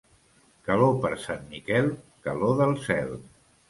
Calor per Sant Miquel, calor del cel.